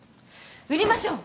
売りましょう！